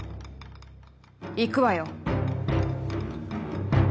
行くわよ。